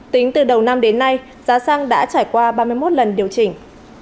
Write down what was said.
tính từ đầu năm đến nay giá xăng đã trải qua ba mươi một lần điều chỉnh